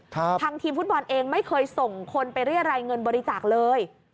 ทางทีมฟุตบอลเองไม่เคยส่งคนไปเรียรายเงินบริจาคเลย